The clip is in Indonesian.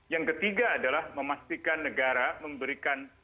yang ketiga adalah memastikan negara memberikan